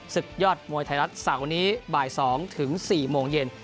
ศึกยอดมวยไทยรัฐเสาร์นี้บ่าย๒ถึง๔โมงเย็น